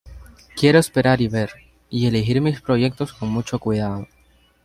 Quiero esperar y ver, y elegir mis proyectos con mucho cuidado.